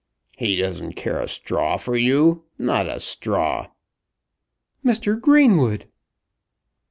"He doesn't care a straw for you; not a straw." "Mr. Greenwood!"